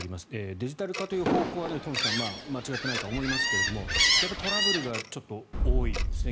デジタル化という方向は東輝さん間違ってないとは思いますけどトラブルがちょっと多いですね。